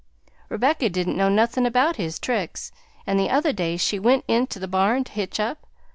Rebecca didn't know nothin' about his tricks, and the other day she went int' the barn to hitch up.